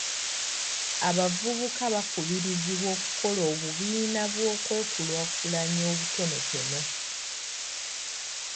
Abavubuka bakubirizibwa okukola obubiina bw'okwekulaakulanya obutonotono.